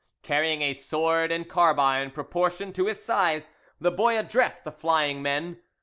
Carrying a sword and carbine proportioned to his size, the boy addressed the flying men.